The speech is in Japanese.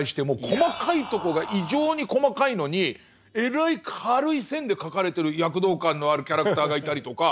細かいとこが異常に細かいのにえらい軽い線で描かれてる躍動感のあるキャラクターがいたりとか。